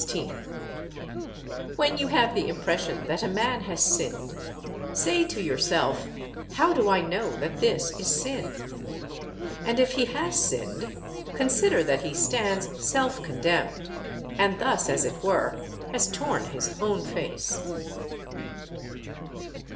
When you have the impression that a man has sinned, say to yourself: "How do I know that this is sin?" And, if he has sinned, consider that he stands self condemned: and thus, as it were, has torn his own face.